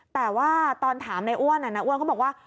แต่ว่าตอนถามในอ้วนอ้วนก็บอกว่า